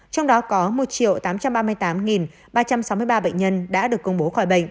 trong đó có một tám trăm ba mươi tám ba trăm sáu mươi ba bệnh nhân đã được công bố khỏi bệnh